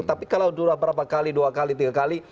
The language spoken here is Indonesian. tapi kalau sudah berapa kali dua kali tiga kali